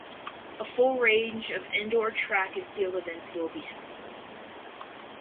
A full range of indoor track and field events will be held.